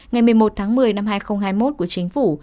ngày một mươi một tháng một mươi năm hai nghìn hai mươi một của chính phủ